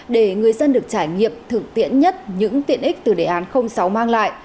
để người dân được trải nghiệm thượng tiện nhất những tiện ích từ đề án sáu mang lại